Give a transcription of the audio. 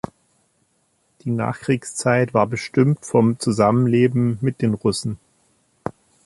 Die Nachkriegszeit war bestimmt vom Zusammenleben mit den Russen.